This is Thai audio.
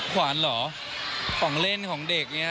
ขวานเหรอของเล่นของเด็กเนี่ย